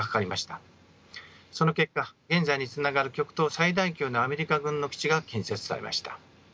その結果現在につながる極東最大級のアメリカ軍の基地が建設されました。